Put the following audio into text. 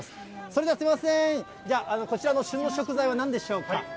それではすみません、じゃあ、こちらの旬の食材はなんでしょうか。